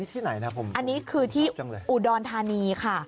ที่ไหนนะผมชอบจังเลยอันนี้คือที่อุดรธานีค่ะ